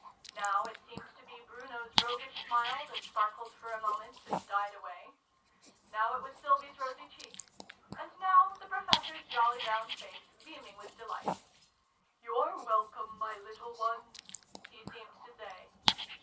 Now it seemed to be Bruno's roguish smile that sparkled for a moment, and died away : now it was Sylvie's rosy cheek : and now the Professor's jolly round face, beaming with deT light. " You're welcome, my little ones !" he seemed to say.